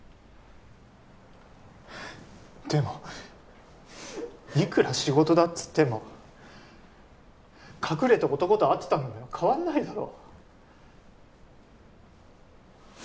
でもいくら仕事だっつっても隠れて男と会ってたのには変わんないだろ？